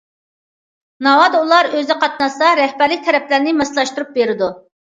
ناۋادا ئۇلار ئۆزى قاتناشسا رەھبەرلىك تەرەپلەرنى ماسلاشتۇرۇپ بېرىدۇ.